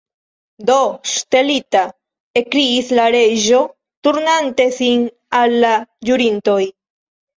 "Do, ŝtelita!" ekkriis la Reĝo, turnante sin al la ĵurintoj.